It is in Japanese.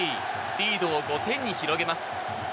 リードを５点に広げます。